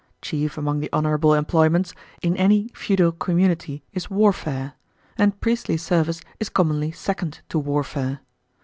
Chief among the honourable employments in any feudal community is warfare; and priestly service is commonly second to warfare.